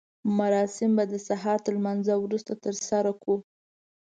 مراسم به د سهار تر لمانځه وروسته ترسره کړو.